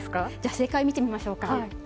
正解、見てみましょうか。